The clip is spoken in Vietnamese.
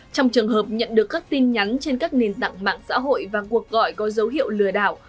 trong trường hợp nhận được các tin nhắn trên các nền tảng mạng xã hội và cuộc gọi có dấu hiệu lừa đảo